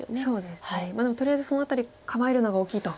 とりあえずその辺り構えるのが大きいと。